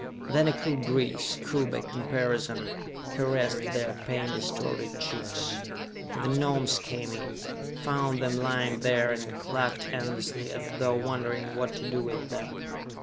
Then a cool breeze, cool by comparison, caressed their pain distorted cheeks, and the Gnomes came in, found them lying there, and clucked endlessly as though wondering what to do with them.